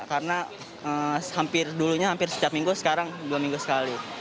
karena dulunya hampir setiap minggu sekarang dua minggu sekali